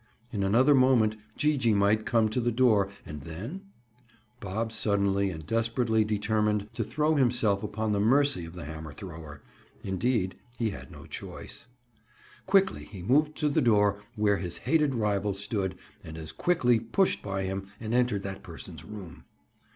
In another moment Gee gee might come to the door, and then—? Bob suddenly and desperately determined to throw himself upon the mercy of the hammer thrower. Indeed, he had no choice. Quickly he moved to the door where his hated rival stood and as quickly pushed by him and entered that person's room.